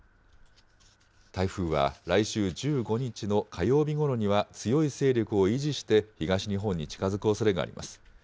台風は、来週１５日の火曜日ごろには強い勢力を維持して、東日本に近づくおそれがあります。